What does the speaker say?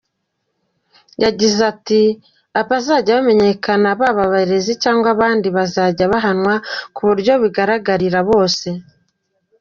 Yagize ati “Abazajya bamenyekana baba abarezi cyangwa abandi bazajya bahanwa ku buryo bigaragarira bose.